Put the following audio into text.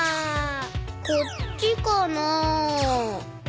こっちかな？